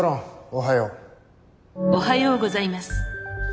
おはようございます。